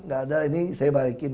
gak ada ini saya balikin